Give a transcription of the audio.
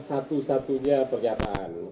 satu satu nya pernyataan